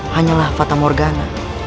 hanyalah fata morgana